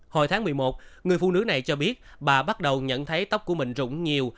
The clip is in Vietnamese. hồi tháng một mươi một người phụ nữ này cho biết bà bắt đầu nhận thấy tóc của mình rụng nhiều